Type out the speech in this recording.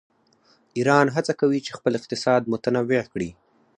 ایران هڅه کوي چې خپل اقتصاد متنوع کړي.